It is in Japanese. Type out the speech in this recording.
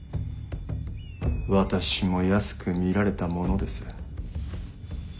私も安く見られたものです。